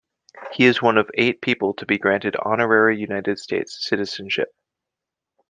He is one of eight people to be granted honorary United States citizenship.